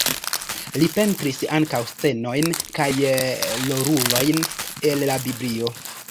Li pentris ankaŭ scenojn kaj rolulojn el la Biblio.